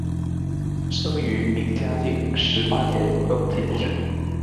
生于明嘉靖十八年登进士。